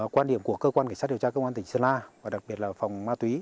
quan điểm của cơ quan cảnh sát điều tra công an tỉnh sơn la và đặc biệt là phòng ma túy